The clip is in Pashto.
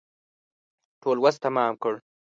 ټول وس تمام کړ.